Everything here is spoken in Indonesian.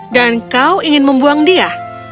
dan kau ingin membuang dia